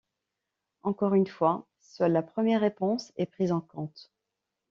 Encore une fois seule la première réponse est prise en compte.